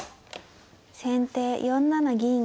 先手４七銀。